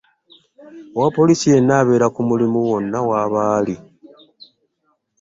Omupoliisi yenna abeera ku mulimu wonna waaba ali.